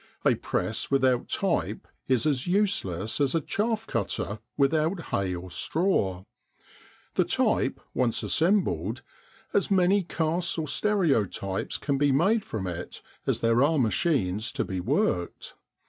A press without type is as useless as a chaff cutter without hay or straw. The type once assembled, as many casts or stereotypes can be made from it as there are machines to be worked.